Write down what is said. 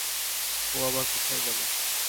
ও আবার কোথায় গেল?